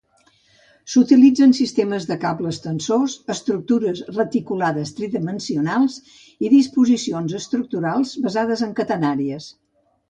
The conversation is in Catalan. S'utilitzen sistemes de cables tensors, estructures reticulades tridimensionals, i disposicions estructurals basades en catenàries.